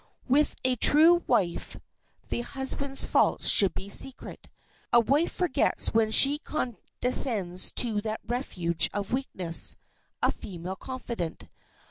With a true wife the husband's faults should be secret. A wife forgets when she condescends to that refuge of weakness, a female confidant.